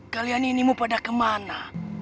kalian ini mau pada kemana